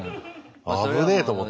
危ねえと思って。